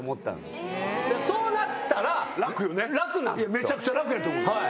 めちゃくちゃ楽やと思う。